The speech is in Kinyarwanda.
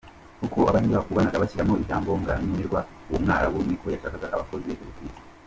Uko Abahinde bakubanaga bashyiramo ibyangombwa nkenerwa, uwo mwarabu niko yashakaga abakozi ubutitsa.